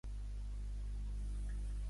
Dilluns en Lluc i en Damià aniran a Loriguilla.